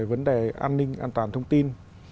vấn đề an ninh an toàn thông tin